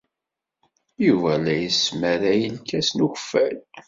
Yuba la d-yesmaray lkas n ukeffay.